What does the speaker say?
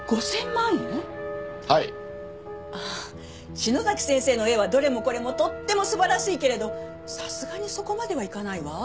篠崎先生の絵はどれもこれもとってもすばらしいけれどさすがにそこまではいかないわ。